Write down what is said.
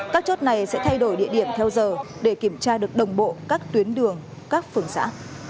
các chốt này sẽ thay đổi địa điểm theo giờ để kiểm tra được đồng bộ các tuyến đường các phường xã